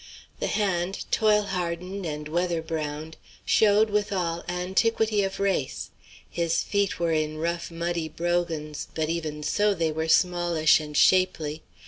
The hand, toil hardened and weather browned, showed, withal, antiquity of race. His feet were in rough muddy brogans, but even so they were smallish and shapely.